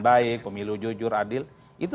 baik pemilu jujur adil itu